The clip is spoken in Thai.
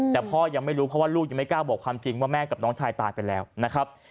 แต่พ่อยังไม่รู้เพราะว่าลูกยังไม่กล้าบอกความจริงว่าแม่กับน้องชายตายไปแล้วนะครับ